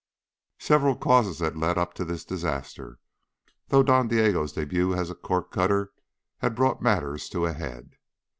Several causes had led up to this disaster, though Don Diego's debut as a corkcutter had brought matters to a head.